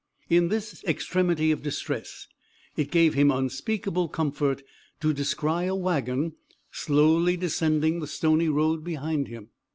In this extremity of distress, it gave him unspeakable comfort to descry a wagon slowly descending the stony road behind him.